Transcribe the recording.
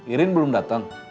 irin belum datang